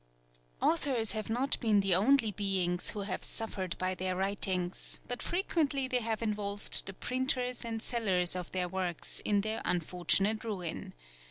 Authors have not been the only beings who have suffered by their writings, but frequently they have involved the printers and sellers of their works in their unfortunate ruin.